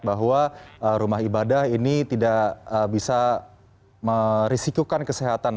bahwa rumah ibadah ini tidak bisa merisikukan kesehatan